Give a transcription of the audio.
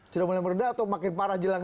tidak mulai meredah atau makin parah jelang